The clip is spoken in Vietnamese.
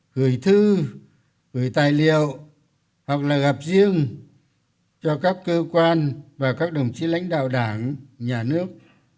gửi thư gửi tài liệu hoặc là gặp riêng cho các cơ quan và các đồng chí lãnh đạo đảng nhà nước